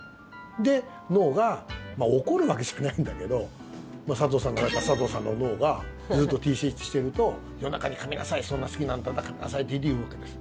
で、脳が怒るわけじゃないんだけど佐藤さんだったら佐藤さんの脳がずっとＴＣＨしていると夜中に、かみなさいそんな好きならかみなさいって言うわけです。